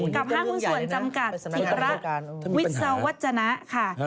ห้างหุ้นส่วนจำกัดศิระวิศวัจจนะค่ะ